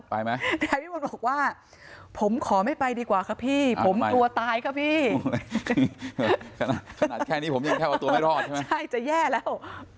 ขนาดแค่นี้ผมยังแค่ประตูไม่รอดใช่ไหมใช่จะแย่แล้ว